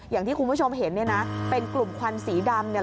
อย่างที่คุณผู้ชมเห็นเป็นกลุ่มควันสีดำ